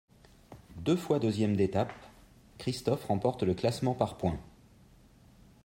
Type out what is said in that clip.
Deux fois deuxième d'étapes, Kristoff remporte le classement par points.